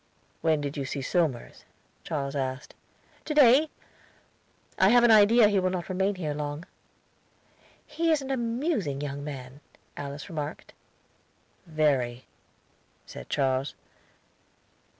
"When did you see Somers?" Charles asked. "To day. I have an idea he will not remain here long." "He is an amusing young man," Alice remarked. "Very," said Charles.